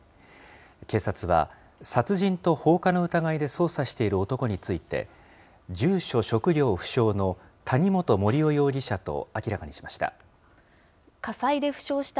警察は、殺人と放火の疑いで捜査している男について、住所職業不詳の谷本盛雄容疑者と明らかにしました。